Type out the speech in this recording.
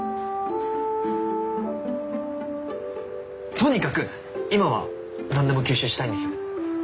とにかく今はなんでも吸収したいんです。